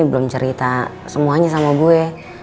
belum cerita semuanya sama gue